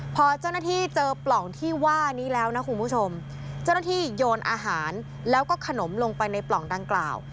พอเจ้าหน้าที่เจอปล่องที่ว่านี้แล้วนะคุณผู้ชมเจ้าหน้าที่โยนอาหารแล้วก็ขนมลงไปในปล่องดังกล่าว